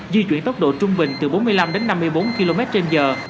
di chuyển tốc độ trung bình từ bốn mươi năm đến năm mươi bốn km trên giờ